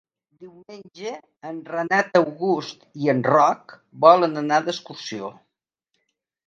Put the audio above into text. Diumenge en Renat August i en Roc volen anar d'excursió.